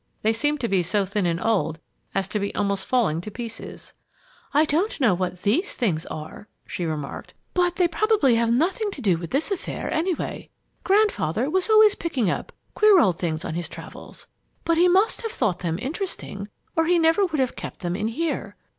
They seemed to be so thin and old as to be almost falling to pieces. "I don't know what these things are," she remarked, "but they probably have nothing to do with this affair, anyway. Grandfather was always picking up queer old things on his travels. But he must have thought them interesting, or he never would have kept them in here.